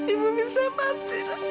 ibu bisa mati ras